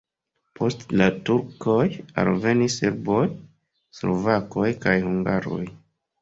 Post la turkoj alvenis serboj, slovakoj kaj hungaroj.